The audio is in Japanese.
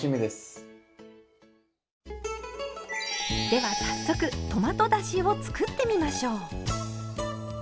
では早速トマトだしを作ってみましょう。